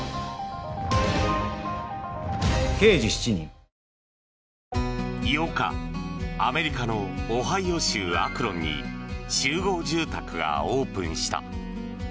脂肪に選べる「コッコアポ」８日アメリカのオハイオ州アクロンに集合住宅がオープンした。